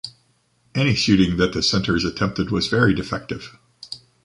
Any shooting that the centers attempted was very defective.